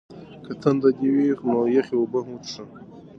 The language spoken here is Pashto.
که تنده دې وي نو یخې اوبه وڅښه.